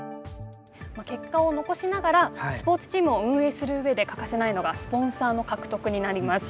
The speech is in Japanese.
結果を残しながらスポーツチームを運営する上で欠かせないのがスポンサーの獲得になります。